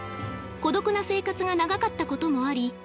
孤独な生活が長かったこともあり